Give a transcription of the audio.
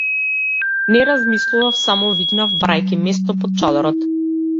Не размислував, само викнав барајќи место под чадорот.